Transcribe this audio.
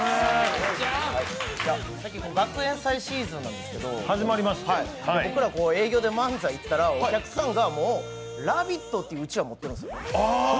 最近学園祭シーズンなんですけど、僕ら、営業で漫才行ったら、お客さんがもう、「ラヴィット！」っていううちわ持ってるんですよ。